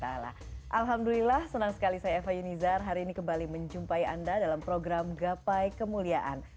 alhamdulillah senang sekali saya eva yunizar hari ini kembali menjumpai anda dalam program gapai kemuliaan